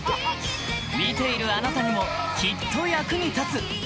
見ているあなたにもきっと役に立つ！